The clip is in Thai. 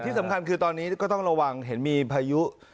ที่สำคัญคือตอนนี้ก็ต้องระวังเห็นมีพายุ